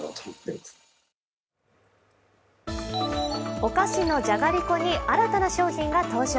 お菓子のじゃがりこに新たな商品が登場。